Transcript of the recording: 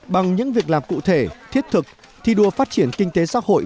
bằng những việc làm cụ thể thiết thực thi đua phát triển kinh tế xã hội